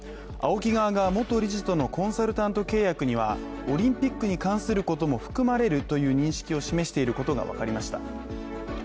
ＡＯＫＩ側が元理事とのコンサルティング契約にはオリンピックに関することも含まれるとの認識を示していることが分かりました。